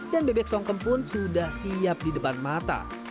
dan bebek songkem pun sudah siap di depan mata